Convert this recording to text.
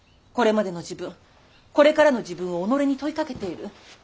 これまでの自分これからの自分を己に問いかけている。